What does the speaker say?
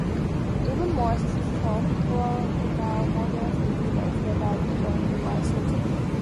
Even more sophisticated models use reversible Turing machines.